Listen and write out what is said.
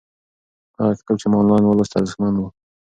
هغه کتاب چې ما آنلاین ولوست ارزښتمن و.